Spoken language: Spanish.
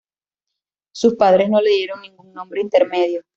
Sus padres no le dieron ningún nombre intermedio.